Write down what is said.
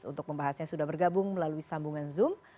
untuk membahasnya sudah bergabung melalui sambungan zoom